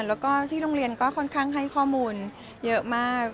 แล้วก็ที่โรงเรียนก็ค่อนข้างให้ข้อมูลเยอะมาก